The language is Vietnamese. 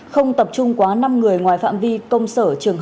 không tập trung quá năm người ngoài phạm vi công sở trường học